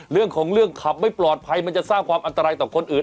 เรื่องของเรื่องขับไม่ปลอดภัยมันจะสร้างความอันตรายต่อคนอื่น